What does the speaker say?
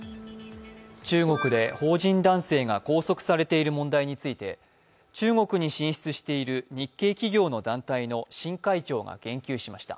中国で邦人男性が拘束されている問題について中国に進出している日系企業の団体の新会長が言及しました。